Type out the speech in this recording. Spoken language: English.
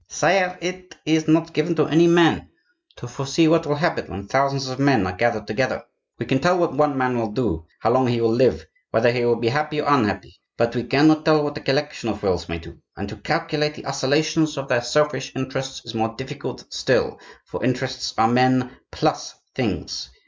"Sire, it is not given to any man to foresee what will happen when thousands of men are gathered together. We can tell what one man will do, how long he will live, whether he will be happy or unhappy; but we cannot tell what a collection of wills may do; and to calculate the oscillations of their selfish interests is more difficult still, for interests are men plus things.